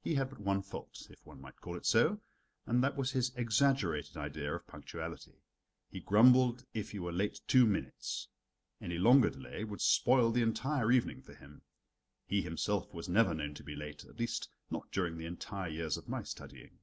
He had but one fault if one might call it so and that was his exaggerated idea of punctuality. He grumbled if you were late two minutes; any longer delay would spoil the entire evening for him. He himself was never known to be late. At least not during the entire years of my studying.